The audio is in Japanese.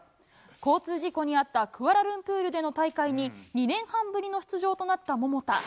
交通事故に遭ったクアラルンプールでの大会に、２年半ぶりの出場となった桃田。